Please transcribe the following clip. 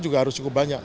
juga harus cukup banyak